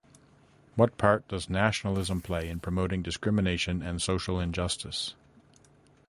What part does nationalism play in promoting discrimination and social injustice?